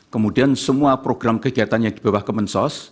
kemudian semua program kegiatan yang di bawah kemensos